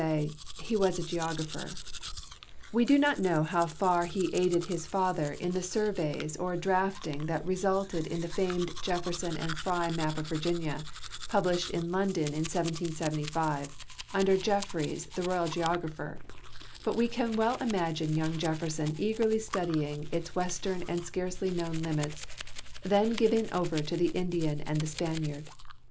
say, " He was a geographer." We do not know how far he aided his father in the surveys or draughting that resulted in the famed Jefferson and Fry map of Virginia, published in London in 1775, under Jefferys, the royal geographer, hut we can well imagine young Jefferson eagerly studying its western and scarcely known limits, then given over to the Indian and the Spaniard.